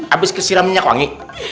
abis kesiram minyak wangi